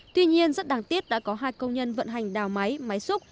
tuy nhiên rất đáng tiếc đã có hai công nhân vận hành đào máy máy xúc